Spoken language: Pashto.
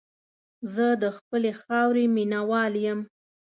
زه د خپلې خاورې مینه وال یم.